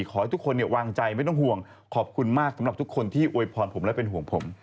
ขอให้ทุกคนวางใจไม่ต้องห่วงขอบคุณมากสำหรับทุกคนที่อวยพรผมและเป็นห่วงผม